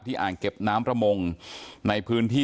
อ่างเก็บน้ำประมงในพื้นที่